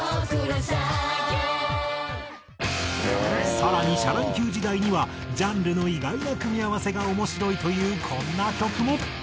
さらにシャ乱Ｑ時代にはジャンルの意外な組み合わせが面白いというこんな曲も。